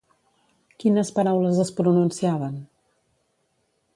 Quines paraules es pronunciaven?